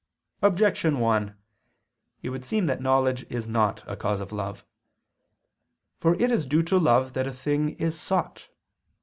Objection 1: It would seem that knowledge is not a cause of love. For it is due to love that a thing is sought.